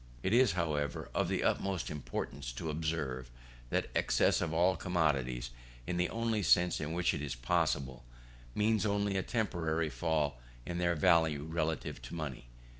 It is, however, of the utmost importance to observe that excess of all commodities, in the only sense in which it is possible, means only a temporary fall in their value relatively to money.